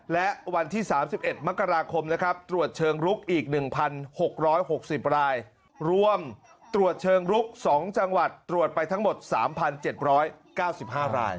และวันที่สามสิบเอ็ดมกราคมนะครับตรวจเชิงลุกอีกหนึ่งพันหกร้อยหกสิบรายรวมตรวจเชิงลุกสองจังหวัดตรวจไปทั้งหมดสามพันเจ็ดบร้อยเก้าสิบห้าราย